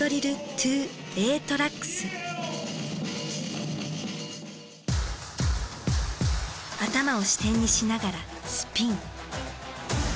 頭を支点にしながらスピン。